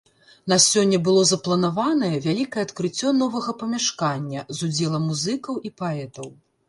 На сёння было запланаванае вялікае адкрыццё новага памяшкання з ўдзелам музыкаў і паэтаў.